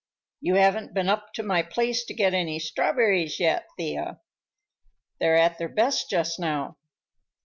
"You haven't been up to my place to get any strawberries yet, Thea. They're at their best just now.